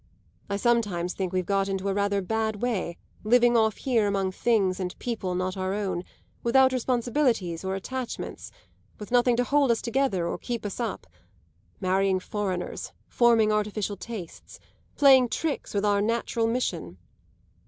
I sometimes think we've got into a rather bad way, living off here among things and people not our own, without responsibilities or attachments, with nothing to hold us together or keep us up; marrying foreigners, forming artificial tastes, playing tricks with our natural mission.